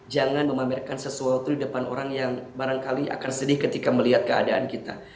jangan memamerkan sesuatu di depan orang yang barangkali akan sedih ketika melihat keadaan kita